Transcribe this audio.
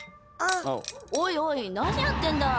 おいおい何やってんだい！